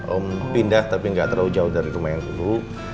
om pindah tapi nggak terlalu jauh dari rumah yang dulu